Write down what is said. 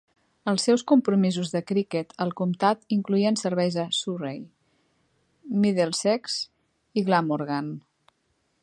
Els seus compromisos de criquet al comptat incloïen serveis a Surrey, Middlesex i Glamorgan.